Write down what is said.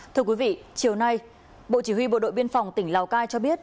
thưa quý vị chiều nay bộ chỉ huy bộ đội biên phòng tỉnh lào cai cho biết